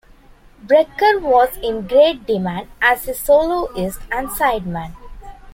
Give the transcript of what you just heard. Brecker was in great demand as a soloist and sideman.